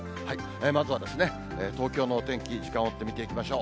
まずは東京のお天気、時間を追って見ていきましょう。